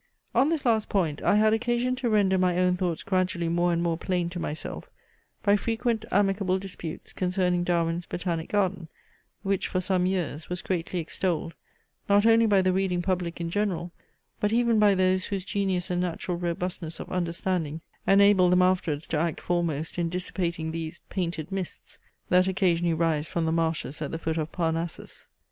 On this last point, I had occasion to render my own thoughts gradually more and more plain to myself, by frequent amicable disputes concerning Darwin's Botanic Garden, which, for some years, was greatly extolled, not only by the reading public in general, but even by those, whose genius and natural robustness of understanding enabled them afterwards to act foremost in dissipating these "painted mists" that occasionally rise from the marshes at the foot of Parnassus.